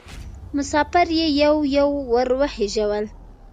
مسافر یې یو یو ور وخېژول.